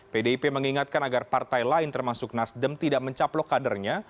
pdip mengingatkan agar partai lain termasuk nasdem tidak mencaplok kadernya